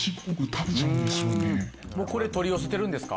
これ取り寄せてるんですか？